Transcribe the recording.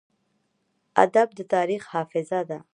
ادب د تاریخ حافظه ده.